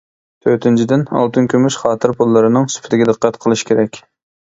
تۆتىنچىدىن، ئالتۇن-كۈمۈش خاتىرە پۇللىرىنىڭ سۈپىتىگە دىققەت قىلىش كېرەك.